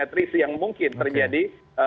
at risk yang mungkin terjadi